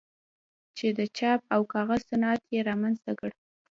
چې د چاپ او کاغذ صنعت یې رامنځته کړ.